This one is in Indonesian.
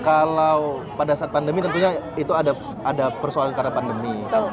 kalau pada saat pandemi tentunya itu ada persoalan karena pandemi